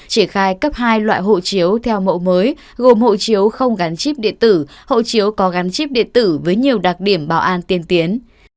triển khai cấp hai loại hộ chiếu theo mẫu mới gồm hộ chiếu không gắn chip điện tử hộ chiếu có gắn chip điện tử với nhiều đặc điểm bảo an tiên tiến